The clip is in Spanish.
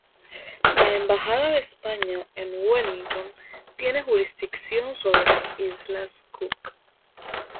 La Embajada de España en Wellington tiene jurisdicción sobre las Islas Cook.